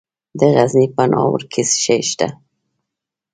د غزني په ناوور کې څه شی شته؟